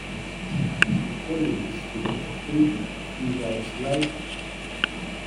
The Queen visited the Cathedral a few days later.